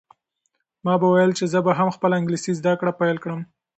ما به ویل چې زه به هم خپله انګلیسي زده کړه پیل کړم.